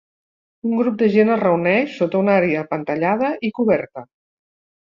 Un grup de gent es reuneix sota una àrea apantallada i coberta.